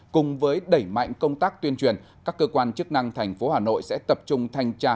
cùng với đẩy mạnh công tác tuyên truyền các cơ quan chức năng thành phố hà nội sẽ tập trung thanh tra